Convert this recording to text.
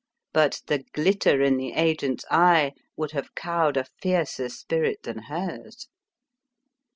But the glitter in the agent's eye would have cowed a fiercer spirit than hers.